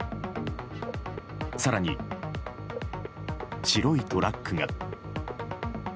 更に、白いトラックが。